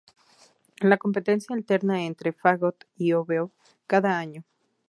La competencia alterna entre fagot y oboe cada año.